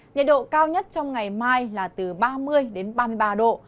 nhật độ cao nhất trong ngày mai là từ ba mươi ba mươi ba độ